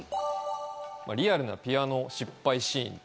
リアルなピアノ失敗シーン。